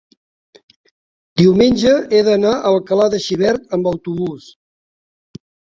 Diumenge he d'anar a Alcalà de Xivert amb autobús.